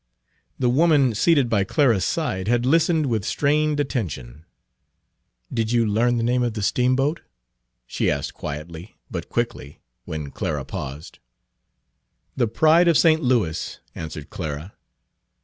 The woman seated by Clara's side had listened with strained attention. "Did you learn the name of the steamboat?" she asked quietly, but quickly, when Clara paused. "The Pride of St. Louis," answered Clara.